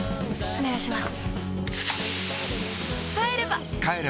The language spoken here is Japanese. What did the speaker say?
お願いします。